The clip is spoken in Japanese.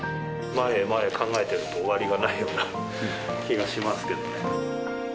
前へ前へ考えてると終わりがないような気がしますけどね。